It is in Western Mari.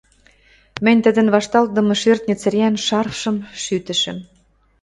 Мӹнь тӹдӹн вашталтдымы шӧртньӹ цӹреӓн шарфшым шӱтӹшӹм.